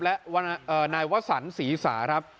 และนายวสันศรีสาครับ